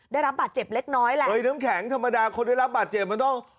ได้รับบาดเจ็บเล็กน้อยแหละเฮ้ยน้ำแข็งธรรมดาคนได้รับบาดเจ็บมันต้อง